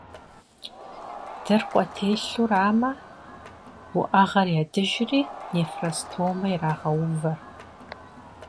Дыркъуэ телъурамэ, уӏэгъэр ядыжри, нефростомэ ирагъэувэр.